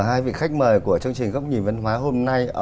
hai vị khách mời của chương trình góc nhìn văn hóa hôm nay